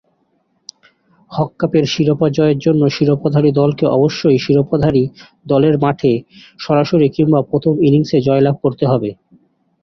হক কাপের শিরোপা জয়ের জন্য শিরোপাধারী দলকে অবশ্যই শিরোপাধারী দলের মাঠে সরাসরি কিংবা প্রথম ইনিংসে জয়লাভ করতে হবে।